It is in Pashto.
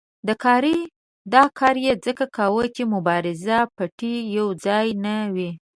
دا کار یې ځکه کاوه چې مبارزې پېټی یو ځای نه وي.